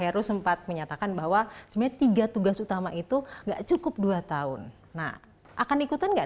heru sempat menyatakan bahwa sebenarnya tiga tugas utama itu enggak cukup dua tahun nah akan ikutan nggak